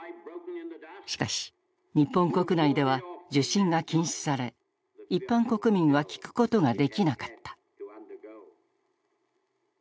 しかし日本国内では受信が禁止され一般国民は聴くことができなかった。